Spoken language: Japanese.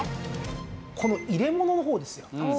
この入れ物の方ですよ。